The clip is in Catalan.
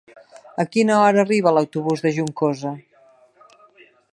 A quina hora arriba l'autobús de Juncosa?